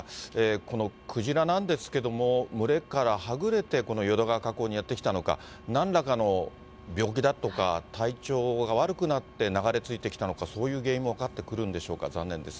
このクジラなんですけれども、群れからはぐれて、この淀川河口にやって来たのか、なんらかの病気だとか、体調が悪くなって流れ着いてきたのか、そういう原因も分かってくるんでしょうか、残念です。